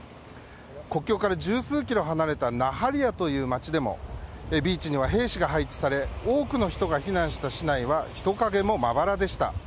国境から十数キロ離れたナハリヤという町でもビーチには兵士が配置され多くの人が避難した市内は人影もまばらでした。